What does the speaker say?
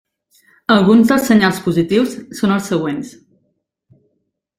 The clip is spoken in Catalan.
Alguns dels senyals positius són els següents.